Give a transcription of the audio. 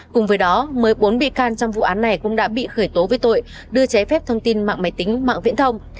cùng với đó mới bốn bị can trong vụ án này cũng đã bị khởi tố với tội đưa trái phép thông tin mạng máy tính mạng viễn thông